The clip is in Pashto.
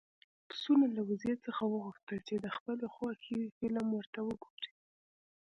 پسونه له وزې څخه وغوښتل چې د خپلې خوښې فلم ورته وګوري.